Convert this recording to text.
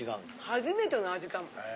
初めての味かも。